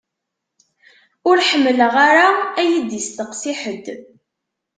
Ur ḥemmleɣ ara ad y-isteqsi ḥedd.